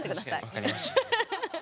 分かりました。